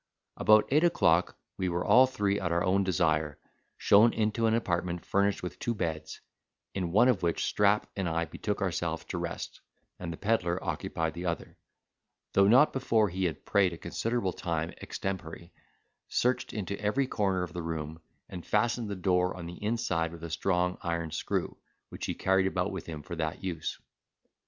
About eight o'clock we were all three, at our own desire, shown into an apartment furnished with two beds, in one of which Strap and I betook ourselves to rest, and the pedlar occupied the other, though not before he had prayed a considerable time extempore, searched into every corner of the room, and fastened the door on the inside with a strong iron screw, which he carried about with him for that use.